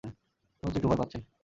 মনে হচ্ছে একটু ভয় পাচ্ছেন।